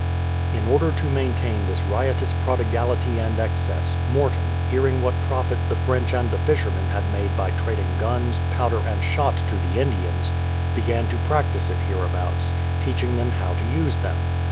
In order to maintain this riotous prodigality and excess, Morton, hearing what profit the French and the fisher men had made by trading guns, powder, and shot to the Indians, began to practise It hereabouts, teaching them how to use them.